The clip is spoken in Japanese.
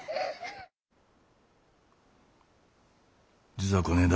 実はこねえだ